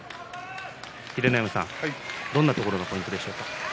秀ノ山さん、どんなところがポイントでしょうか？